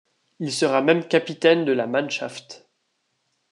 Il sera même capitaine de la Mannschaft.